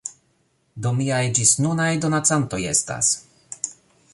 Do miaj ĝisnunaj donacantoj estas